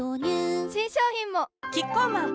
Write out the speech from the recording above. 新商品もキッコーマン